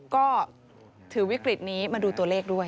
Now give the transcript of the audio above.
ก็ถือวิกฤตนี้มาดูตัวเลขด้วย